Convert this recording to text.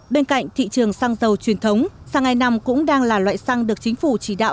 bên cạnh thị trường xăng dầu truyền thống xăng e năm cũng đang là loại xăng được chính phủ chỉ đạo